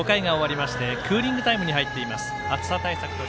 今、５回が終わりましてクーリングタイムに入っています。